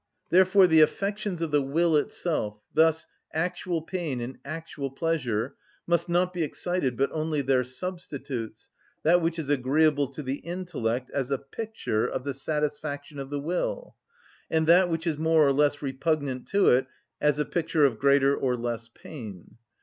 Therefore the affections of the will itself, thus actual pain and actual pleasure, must not be excited, but only their substitutes, that which is agreeable to the intellect, as a picture of the satisfaction of the will, and that which is more or less repugnant to it, as a picture of greater or less pain.